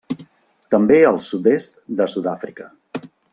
També al sud-est de Sud-àfrica.